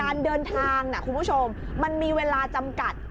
การเดินทางนะคุณผู้ชมมันมีเวลาจำกัด